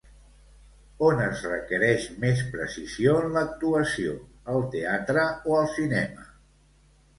On es requereix més precisió en l'actuació, al teatre o al cinema?